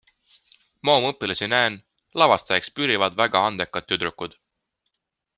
Ma oma õpilasi näen, lavastajaks pürivad väga andekad tüdrukud.